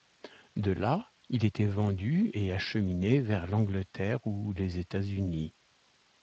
De là, il était vendu et acheminé vers l’Angleterre ou les États-Unis.